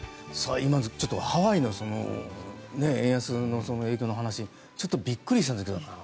今のちょっとハワイの円安の影響の話ちょっとびっくりしたんだけど。